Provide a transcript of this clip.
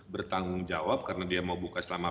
bertanggung jawab karena dia mau buka selama